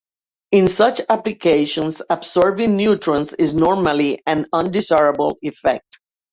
In such applications, absorbing neutrons is normally an undesirable effect.